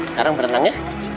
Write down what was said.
sekarang berenang ya